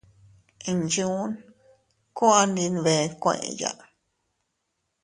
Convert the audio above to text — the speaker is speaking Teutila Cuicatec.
Inchuun kuu andi nbee kueʼeya.